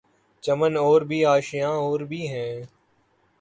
چمن اور بھی آشیاں اور بھی ہیں